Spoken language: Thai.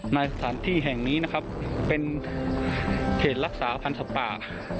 สถานที่แห่งนี้นะครับเป็นเขตรักษาพันธ์สัตว์ป่า